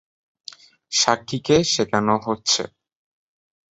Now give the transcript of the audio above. সাক্ষীকে শেখানো হচ্ছে।